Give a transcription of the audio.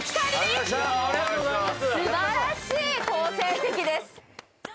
すばらしい好成績です。